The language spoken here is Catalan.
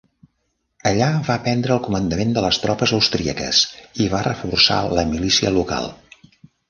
Allà va prendre el comandament de les tropes austríaques i va reforçar la milícia local.